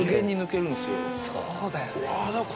そうだよね。